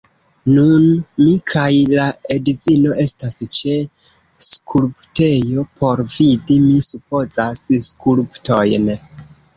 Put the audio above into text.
Nun mi kaj la edzino estas ĉe skulptejo, por vidi, mi supozas, skulptojn.